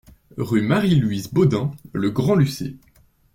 Rue Marie Louise Bodin, Le Grand-Lucé